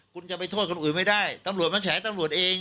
คุณจะไปโทษคนอื่นไม่ได้ตำรวจมาแฉตำรวจเอง